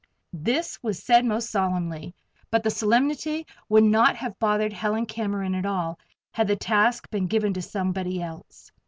This was said most solemnly; but the solemnity would not have bothered Helen Cameron at all, had the task been given to somebody else!